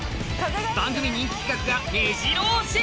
番組人気企画がめじろ押し！